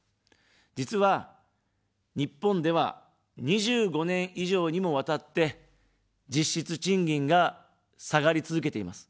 実は、日本では２５年以上にもわたって、実質賃金が下がり続けています。